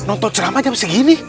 nonton ceramah jam segini